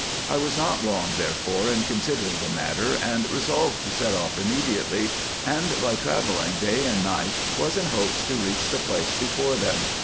I was not long therefore in considering the matter, and resolved to set off immediately, and by travelling day and night was in hopes to reach the place before them.